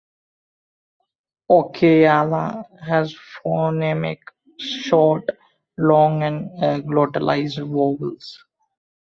Oowekyala has phonemic short, long, and glottalized vowels.